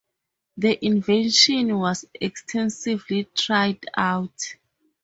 The invention was extensively tried out.